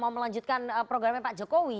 mau melanjutkan programnya pak jokowi